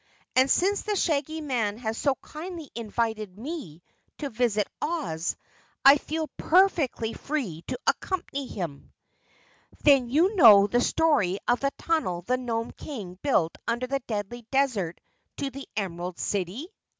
And since the Shaggy Man has so kindly invited me to visit Oz, I feel perfectly free to accompany him." "Then you know the story of the tunnel the Nome King built under the Deadly Desert to the Emerald City?"